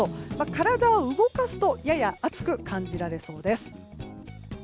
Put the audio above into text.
体を動かすとやや暑く感じられそうです。